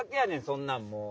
そんなんもう。